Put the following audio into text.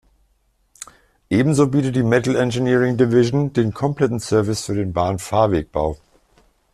Ebenso bietet die Metal Engineering Division den kompletten Service für den Bahn-Fahrwegbau.